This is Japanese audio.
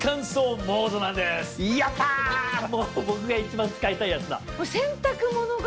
やった僕が一番使いたいやつだ。